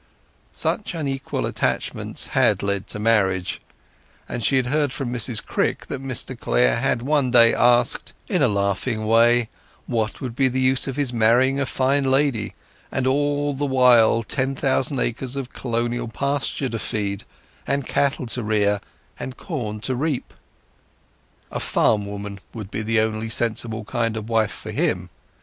Such unequal attachments had led to marriage; and she had heard from Mrs Crick that Mr Clare had one day asked, in a laughing way, what would be the use of his marrying a fine lady, and all the while ten thousand acres of Colonial pasture to feed, and cattle to rear, and corn to reap. A farm woman would be the only sensible kind of wife for him.